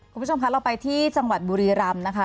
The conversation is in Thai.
คุณผู้ชมคะเราไปที่จังหวัดบุรีรำนะคะ